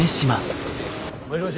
もしもし。